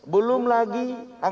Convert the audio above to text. belum lagi anggaran